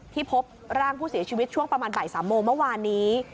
พบร่างผู้เสียชีวิตช่วงประมาณบ่าย๓โมงเมื่อวานนี้